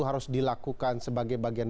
harus dilakukan sebagai bagian